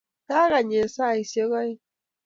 kakeny eng saishek aeng